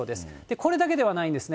これだけではないんですね。